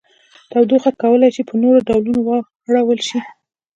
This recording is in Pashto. تودوخه کولی شي په نورو ډولونو واړول شي.